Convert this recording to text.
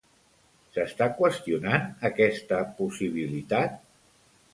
S'està qüestionant, aquesta possibilitat?